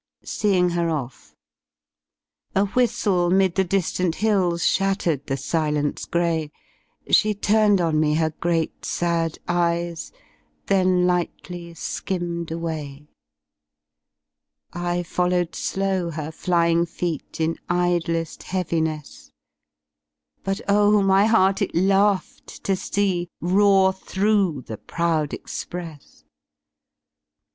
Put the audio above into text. SEEING HER OFF A WHISTLE 'mid the distant hills Shattered the silence grey. She turned on me her great sad eyes. Then lightly skimmed away, 93 / followed slow h er flying feet In idle ft heaviness ^ But, oh! my heart it laughed to see Roar through the proud express.